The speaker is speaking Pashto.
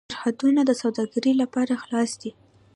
سرحدونه د سوداګرۍ لپاره خلاص دي.